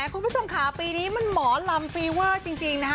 คุณผู้ชมค่ะปีนี้มันหมอลำฟีเวอร์จริงนะคะ